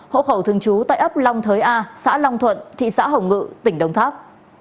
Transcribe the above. hộ khẩu thường trú tại ấp long thới a xã long thuận thị xã hồng ngự tỉnh đông tháp